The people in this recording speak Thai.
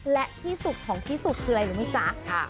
และที่สุดของที่สุดคืออะไรรู้ไหมจ๊ะ